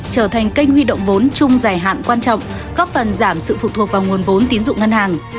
trở thành kênh huy động vốn chung giải hạn quan trọng góp phần giảm sự phụ thuộc vào nguồn vốn tín dụng ngân hàng